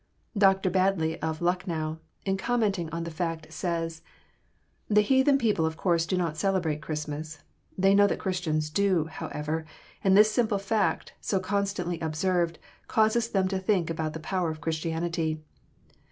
Dr. Badley of Lucknow, in commenting on the fact, says: "The heathen people of course do not celebrate Christmas; they know that Christians do, however, and this simple fact, so constantly observed, causes them to think about the power of Christianity.